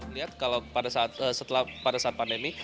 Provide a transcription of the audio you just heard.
lihat kalau pada saat pandemi